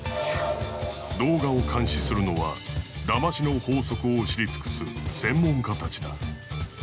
動画を監視するのはだましの法則を知り尽くす専門家たちだ。